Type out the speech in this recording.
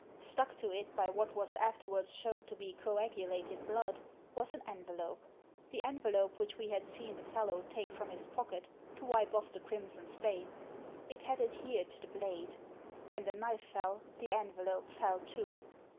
Stuck to it by what was afterwards shown to be coagulated blood was an envelope — the envelope which we had seen the fellow take from his pocket to wipe off the crimson stain. It had adhered to the blade. When the knife fell the envelope fell too.